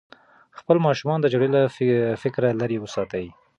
خپل ماشومان د جګړې له فکره لرې وساتئ.